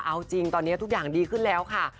เอาจริงตอนนี้ทุกอย่างดีขึ้นแล้วค่ะ